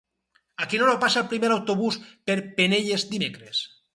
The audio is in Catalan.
A quina hora passa el primer autobús per Penelles dimecres?